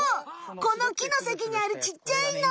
この木のさきにあるちっちゃいの。